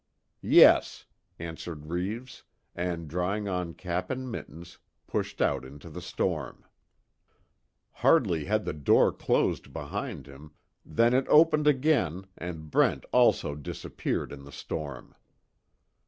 "Yes," answered Reeves, and drawing on cap and mittens, pushed out into the storm. Hardly had the door closed behind him, than it opened again and Brent also disappeared in the storm.